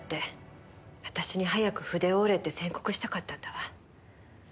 私に早く筆を折れって宣告したかったんだわ。